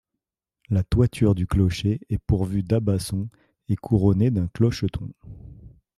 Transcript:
La toiture du clocher est pourvue d'abat-son et couronnée d'un clocheton.